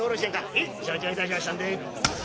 「へえ承知をいたしましたんで」。